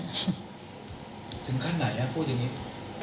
ถึงขั้นไหนพูดอย่างนี้